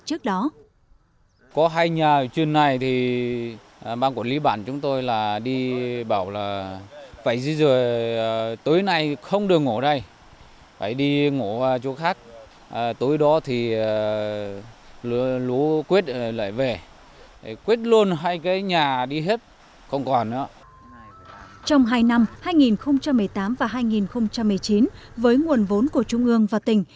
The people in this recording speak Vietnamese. trong hai năm hai nghìn một mươi tám và hai nghìn một mươi chín với nguồn vốn của trung ương và tỉnh